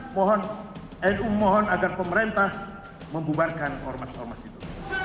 mohon nu mohon agar pemerintah membubarkan ormas ormas itu